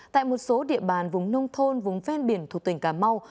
tại một số địa bàn vùng nông thôn vùng ven biển thuộc tỉnh cà mau